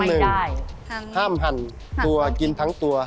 ข้อหนึ่งห้ามหั่นตัวกินทั้งตัว